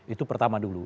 itu pertama dulu